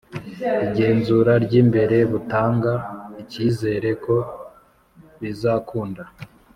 igenzura ry imbere butanga icyizere ko bizakunda